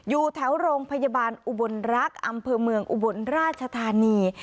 อยู่แถวโรงพยาบาลอุบลรักษ์อำเภอเมืองอุบลราชธานี